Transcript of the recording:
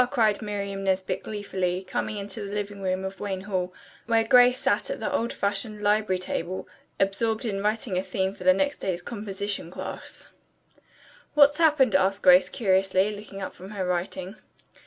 cried Miriam Nesbit gleefully, coming into the living room of Wayne Hall where Grace sat at the old fashioned library table absorbed in writing a theme for next day's composition class. "What's happened?" asked Grace curiously, looking up from her writing.